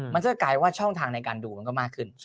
มันก็กลายว่าช่องทางในการดูมันก็มากขึ้น